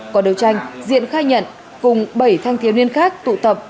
qua đấu tranh diện khai nhận cùng bảy thanh thiếu niên khác tụ tập